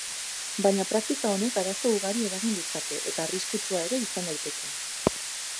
Baina praktika honek arazo ugari eragin ditzake, eta arriskutsua ere izan daiteke.